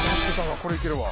これいけたわ。